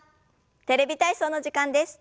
「テレビ体操」の時間です。